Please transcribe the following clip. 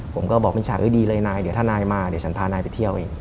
ผมก็บอกเป็นฉากไว้ดีเลยนายเดี๋ยวถ้านายมาเดี๋ยวฉันพานายไปเที่ยวเอง